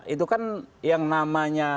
itu kan yang namanya